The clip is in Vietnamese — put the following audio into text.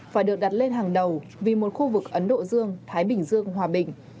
phải được đặt lên hàng đầu vì một khu vực ấn độ dương thái bình dương hòa bình